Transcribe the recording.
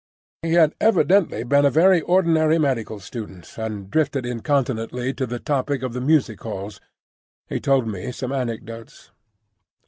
He had evidently been a very ordinary medical student, and drifted incontinently to the topic of the music halls. He told me some anecdotes.